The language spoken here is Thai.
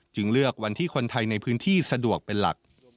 เลือกวันที่คนไทยในพื้นที่สะดวกเป็นหลัก